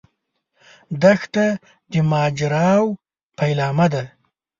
دښته د ماجراوو پیلامه ده.